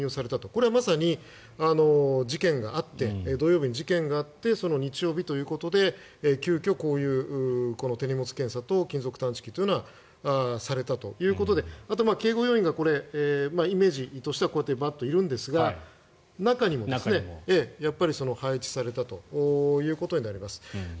これはまさに土曜日に事件があってその日曜日ということで急きょ、こういう手荷物検査と金属探知機というのはされたということであと、警護要員がイメージとしてはこうやってバッといるんですが中にも配置されたということになります。